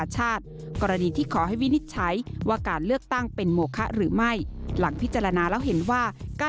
ให้วินิจฉัยว่าการเลือกตั้งเป็นโมคา